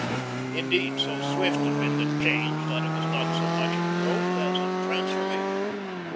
Indeed, so swift had been the change, that it was not so much a growth as a transformation.